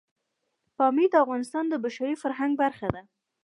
پامیر د افغانستان د بشري فرهنګ برخه ده.